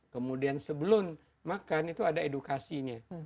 kemudian sebelum makan itu ada edukasinya